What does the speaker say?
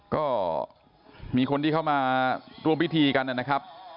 ก็มีคนที่เข้ามาร่วมพิธีกันนะครับ